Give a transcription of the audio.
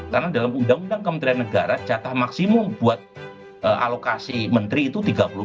karena dalam undang undang kementerian negara jatah maksimum buat alokasi menteri itu tiga puluh empat